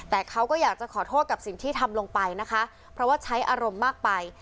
แต่เขาก็อยากจะขอโทษกับสิ่งที่ทำลงไปนะคะเพราะว่าใช้อารมณ์มากไป